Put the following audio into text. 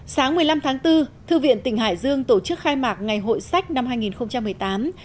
sáng một mươi năm tháng bốn thư viện tỉnh hải dương tổ chức khai mạc ngày hội sách năm hai nghìn một mươi tám